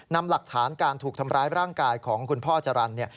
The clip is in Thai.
นำหลักฐานการถูกทำร้ายร่างกายของคุณพ่อจรรย์